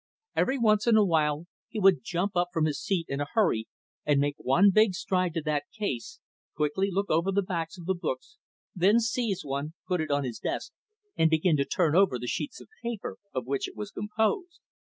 Every once in a while he would jump up from his seat in a hurry and make one big stride to that case, quickly look over the backs of the books, then seize one, put it on his desk, and begin to turn over the sheets of paper of which it was composed.